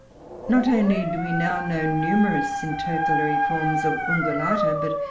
Not only do we now know numerous intercalary forins of Ungulata, but M.